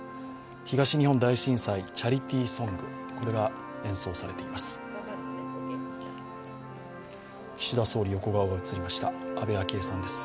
東日本大震災チャリティーソングが演奏されています。